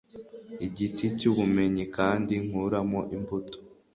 igiti cyubumenyi, kandi nkuramo imbuto